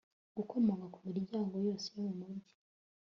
gukomanga ku miryango yose yo mumujyi